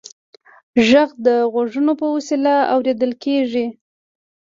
غږ د غوږ په وسیله اورېدل کېږي.